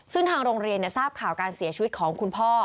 ซึ่งทางโรงเรียนทราบข่าวการเสียชีวิตของคุณพ่อ